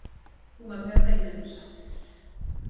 Unha perda inmensa.